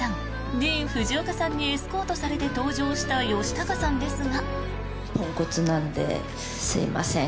ディーン・フジオカさんにエスコートされて登場した吉高さんですが。